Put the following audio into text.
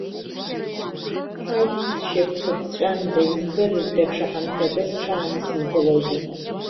Ҳаи, сшьапқәа ԥҵәанда, издырыр, даҽа ҳамҭакы сҽаанысымкылози!